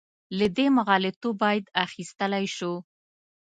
له دې مغالطو باید اخیستلی شو.